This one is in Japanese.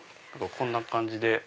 こんな感じで。